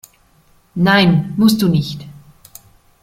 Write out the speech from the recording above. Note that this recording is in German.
Nein, musst du nicht.